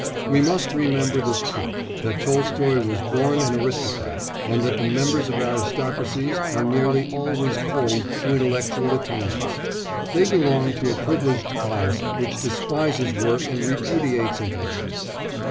We must remember this truth, that Tolstoy was born an aristocrat, and that the members of aristocracies are nearly always cold to intellectual attainments; they belong to a privileged class which despises work and repudiates intellect.